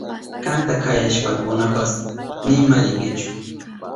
Kanta kayashpankunapas nima rinkichu.